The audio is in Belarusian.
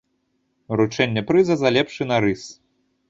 Уручэнне прыза за лепшы нарыс.